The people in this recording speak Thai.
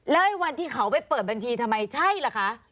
แล้วไอ้วันที่เขาไปเปิดบัญชีทำไมใช่ล่ะคะ